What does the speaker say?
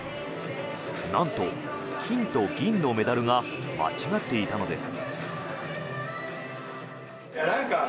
なんと、金と銀のメダルが間違っていたのです。